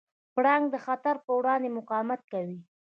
پړانګ د خطر پر وړاندې مقاومت کوي.